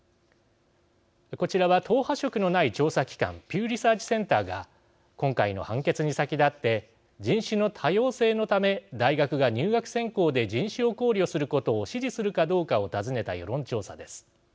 こちらは、党派色のない調査機関ピューリサーチセンターが今回の判決に先立って人種の多様性のため大学が入学選考で人種を考慮することを支持するかどうかを尋ねた世論調査です。